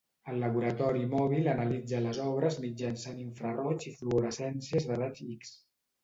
El laboratori mòbil analitza les obres mitjançant infraroig i fluorescència de raigs X.